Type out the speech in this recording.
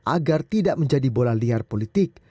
agar tidak menjadi bola liar politik